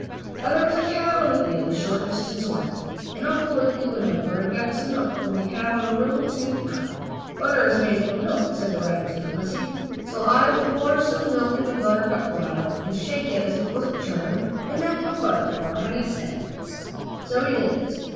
Now there was a cow in the field a short distance away, and Uncle Wiggily went over and got some milk from the cow in a little tin cup. "Butter is made from milk," said the rabbit to the pussy. "So I will just pour some milk in the buttercup flower, and shake it just as if it was a churn, and then we'll have butter for our honey sandwiches." So he did this.